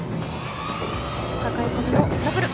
かかえ込みのダブル。